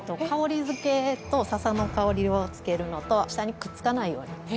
香りづけと笹の香りをつけるのと下にくっつかないように。